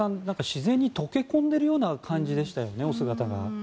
自然に溶け込んでいるような感じでしたよね、お姿が。